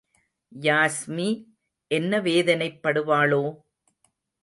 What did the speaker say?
யாஸ்மி என்ன வேதனைப்படுவாளோ?